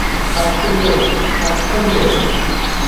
Haqqim yo‘q haq-qim yo‘q!..